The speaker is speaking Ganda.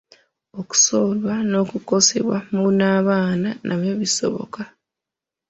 Okusowola n’okukosebwa mu nnabaana nabyo bisoboka.